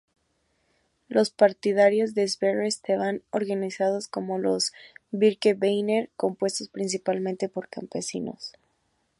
Los partidarios de Sverre estaban organizados como los birkebeiner, compuestos principalmente por campesinos.